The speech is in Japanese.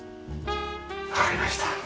わかりました。